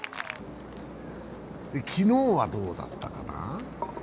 昨日はどうだったかな。